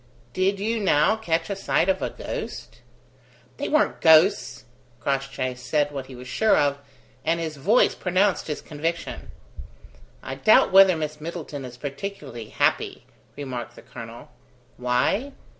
Did you, now, catch a sight of a ghost?" "They weren't ghosts!" Crossjay said what he was sure of, and his voice pronounced his conviction. "I doubt whether Miss Middleton is particularly happy," remarked the colonel. "Why?